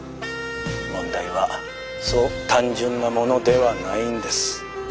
問題はそう単純なものではないんです」。